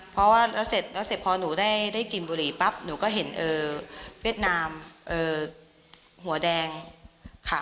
เพราะว่าแล้วเสร็จแล้วเสร็จพอหนูได้กลิ่นบุหรี่ปั๊บหนูก็เห็นเวียดนามหัวแดงค่ะ